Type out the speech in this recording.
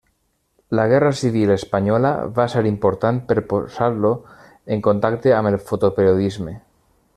La Guerra Civil Espanyola va ser important per posar-lo en contacte amb el fotoperiodisme.